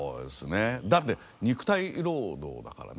だって肉体労働だからね。